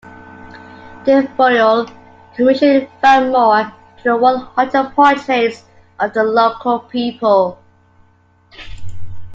De Ferriol commissioned van Mour to do one hundred portraits of the local people.